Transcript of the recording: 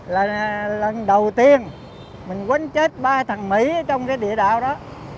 là lần đầu tiên mình quên chết ba thằng mỹ trong cái địa đạo đó